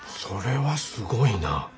それはすごいな。